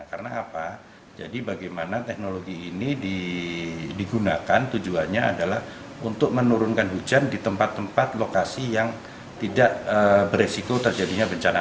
karena apa jadi bagaimana teknologi ini digunakan tujuannya adalah untuk menurunkan hujan di tempat tempat lokasi yang tidak berisiko terjadinya bencana